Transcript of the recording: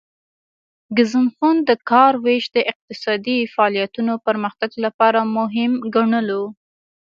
ګزنفون د کار ویش د اقتصادي فعالیتونو پرمختګ لپاره مهم ګڼلو